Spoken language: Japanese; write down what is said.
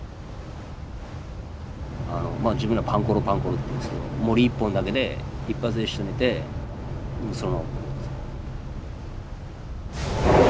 まあ自分らパンコロパンコロって言うんですけど銛一本だけで一発でしとめてその。